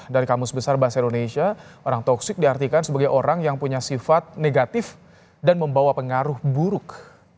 dari kamus besar bahasa indonesia orang toksik diartikan sebagai orang yang punya sifat negatif dan membawa pengaruh buruk